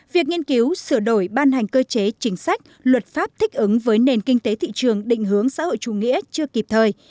việc nghiên cứu sửa đổi ban hành cơ chế chính sách luật pháp thích ứng với nền kinh tế thị trường định hướng xã hội chủ nghĩa chưa kịp thời